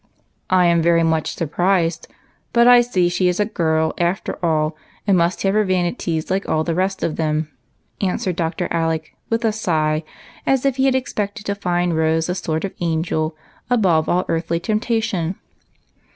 " I am very much surprised ; but I see she is a girl, after all, and must have her vanities like all the rest of them," answered Dr. Alec, with a sigh, as if he had expected to find Rose a sort of angel, above all earthly temptation.